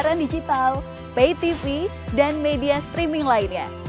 menjadi yang baik lagi